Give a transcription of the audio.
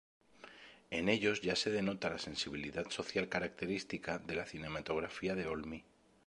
En ellos ya se denota la sensibilidad social característica de la cinematografía de Olmi.